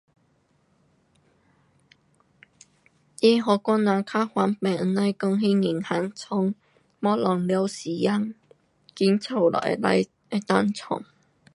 它给我人较方便也甭讲去银行弄东西花时间。在家就可以，能够弄。